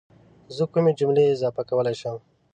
زه کومې جملې اضافه کولی شم؟